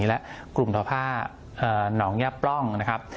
และกลุ่มต่อผ้าหนองยับปล้องนะครับ